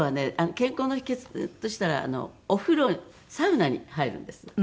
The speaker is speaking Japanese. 健康の秘訣としてはお風呂サウナに入るんです。